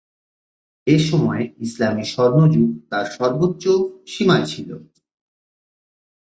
এসময় ইসলামি স্বর্ণযুগ তার সর্বোচ্চ সীমায় ছিল।